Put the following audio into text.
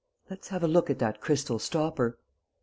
Let's have a look at that crystal stopper!"